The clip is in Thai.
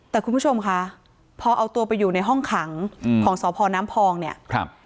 แต่คุณผู้ชมค่ะพอเอาตัวไปอยู่ในห้องขังอืมของสพน้ำพองเนี่ยครับ